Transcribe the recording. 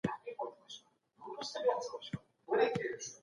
هغه پلانونه چي د دولت لخوا تصويب سوي، بايد پلي سي.